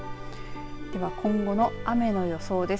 では今後の雨の予想です。